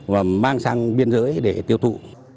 và mang sang biên giới để tiêu thụ